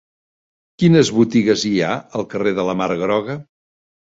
Quines botigues hi ha al carrer de la Mar Groga?